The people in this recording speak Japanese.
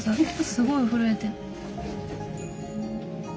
すごい震えてる。